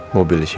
mobil siapa itu